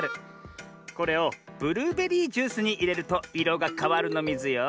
これをブルーベリージュースにいれるといろがかわるのミズよ。